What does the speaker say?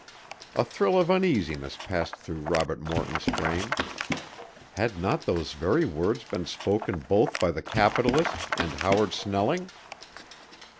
A thrill of uneasiness passed through Robert Morton's frame. Had not those very words been spoken both by the capitalist and Howard Snelling?